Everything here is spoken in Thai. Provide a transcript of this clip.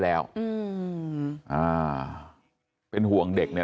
แล้วตามหายาดของแม่ลูกคู่นี้